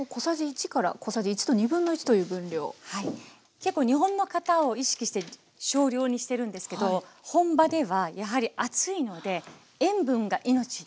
結構日本の方を意識して少量にしてるんですけど本場ではやはり暑いので塩分が命です。